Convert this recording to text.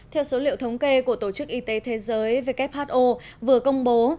theo số liệu thống kê của tổ chức y tế thế giới who vừa công bố